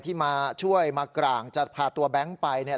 ที่มาช่วยมากร่างจะพาตัวแบงค์ไปเนี่ย